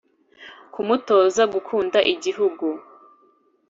kumutoza gukunda igihugu